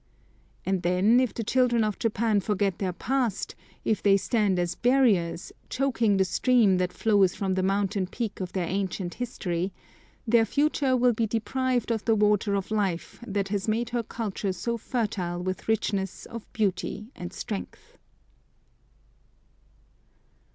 And then, if the children of Japan forget their past, if they stand as barriers, choking the stream that flows from the mountain peak of their ancient history, their future will be deprived of the water of life that has made her culture so fertile with richness of beauty and strength.